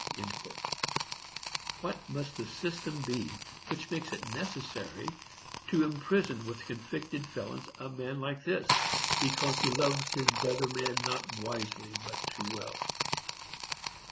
What must that system be which makes it necessary to imprison with convicted felons a man like this, because he loves his brother man "not wisely but too well"?